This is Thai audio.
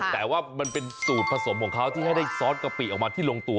แต่ว่ามันเป็นสูตรผสมของเขาที่ให้ได้ซอสกะปิออกมาที่ลงตัว